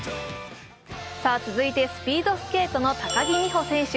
続いてスピードスケートの高木美帆選手。